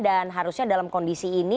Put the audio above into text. dan harusnya dalam kondisi ini